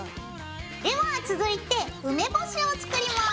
では続いて梅干しを作ります。